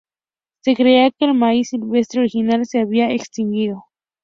Se creía que el maíz silvestre original se había extinguido.